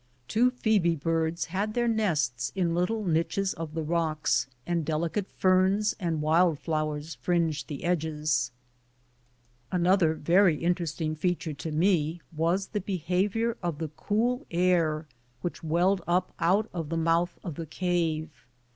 Two phoebe birds had their nests in little niches of the rocks, and delicate ferns and wild flowers fringed the edges. IN MAMMOTH CAVE 251 Another very interesting feature to me was the behavior of the cool air which welled up out of the mouth of the cave.